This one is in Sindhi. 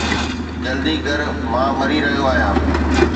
جلدي ڪر، مان مري رهيو آهيان